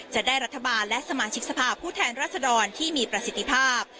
จะได้รัฐบาลและสมาชิกสภาพผู้แทนรัศดรที่มีประสิทธิภาพ